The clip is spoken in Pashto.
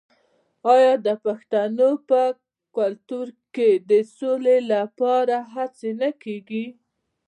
آیا د پښتنو په کلتور کې د سولې لپاره هڅې نه کیږي؟